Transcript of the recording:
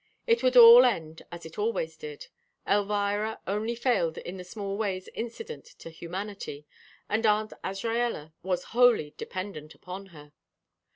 It would all end as it always did; Elvira only failed in the small ways incident to humanity, and Aunt Azraella was wholly dependent upon her.